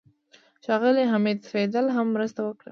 ښاغلي حمید فیدل هم مرسته وکړه.